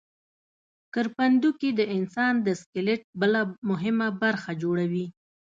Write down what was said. کرپندوکي د انسان د سکلیټ بله مهمه برخه جوړوي.